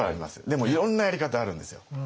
でもいろんなやり方あるんですよ。